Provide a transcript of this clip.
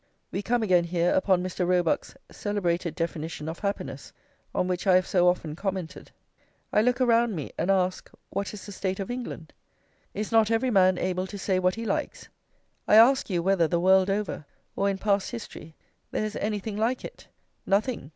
We come again here upon Mr. Roebuck's celebrated definition of happiness, on which I have so often commented: "I look around me and ask what is the state of England? Is not every man able to say what he likes? I ask you whether the world over, or in past history, there is anything like it? Nothing.